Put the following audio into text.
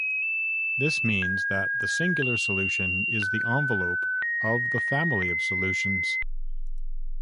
This means that the singular solution is the envelope of the family of solutions.